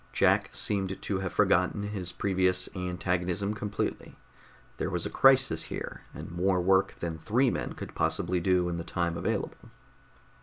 Jack seemed to have forgotten his previous antagonism completely. There was a crisis here, and more work than three men could possibly do in the time available.